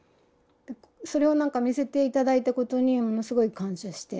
それをなんか見せて頂いたことにものすごい感謝して。